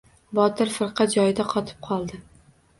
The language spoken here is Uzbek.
Botir firqa joyida qotib qoldi.